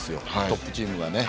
トップチームがね。